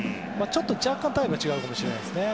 若干タイプが違うかもしれないですね。